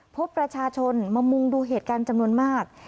พบประชาชนมามุงดูเหตุการณ์จำนวนมาก